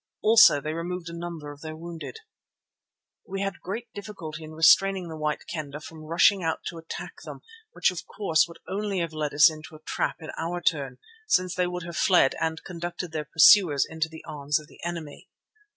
Also they removed a number of their wounded. We had great difficulty in restraining the White Kendah from rushing out to attack them, which of course would only have led us into a trap in our turn, since they would have fled and conducted their pursuers into the arms of the enemy.